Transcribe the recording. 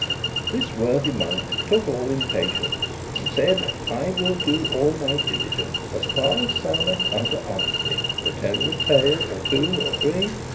This worthy Monk took all in patience, And said, "I will do all my diligence, As far as *souneth unto honesty,* *agrees with good manners* To telle you a tale, or two or three.